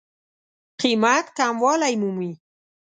قېمت کموالی مومي.